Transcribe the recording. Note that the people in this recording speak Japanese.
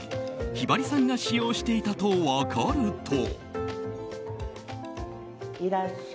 ひばりさんが使用していたと分かると。